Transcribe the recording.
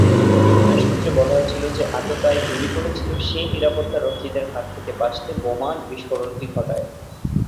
বিভিন্ন সূত্রে বলা হয়েছিল, যে আততায়ী গুলি করেছিল সে-ই নিরাপত্তা রক্ষীদের হাত থেকে বাঁচতে বোমা বিস্ফোরণটি ঘটায়।